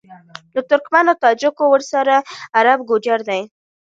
د ترکمــــنــــــو، د تاجـــــــــکــــو، ورســـــره عــــرب گـــوجـــر دي